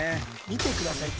見てください